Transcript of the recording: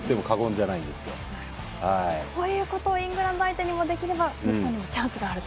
こういうことをイングランド相手にもできれば日本にもチャンスがあると。